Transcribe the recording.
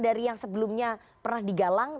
dari yang sebelumnya pernah digalang